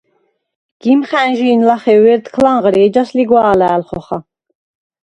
გიმხა̈ნჟი̄ნ ლახე ვერთქლ ანღრი, ეჯას ლიგვა̄ლა̄̈ლ ხოხა.